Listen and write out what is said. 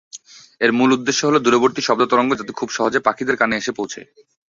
এর মূল উদ্দেশ্য হল দূরবর্তী শব্দ তরঙ্গ যাতে খুব সহজে পাখিদের কানে এসে পৌঁছে।